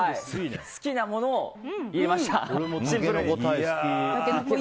好きなものを入れました。